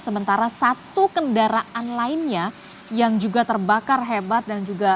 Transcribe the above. sementara satu kendaraan lainnya yang juga terbakar hebat dan juga